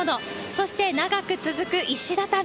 そして、長く続く石畳。